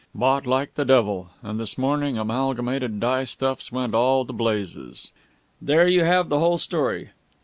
Bought like the devil. And this morning Amalgamated Dyestuffs went all to blazes. There you have the whole story!"